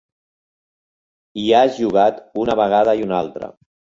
Hi has jugat una vegada i una altra.